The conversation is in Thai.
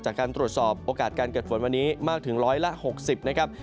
จากการตรวจสอบโอกาสการเกิดฝนวันนี้มากถึงร้อยละ๖๐นะครับ